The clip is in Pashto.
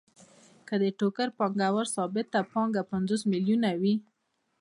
که د ټوکر پانګوال ثابته پانګه پنځوس میلیونه وي